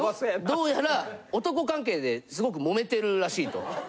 どうやら男関係ですごくもめてるらしいと。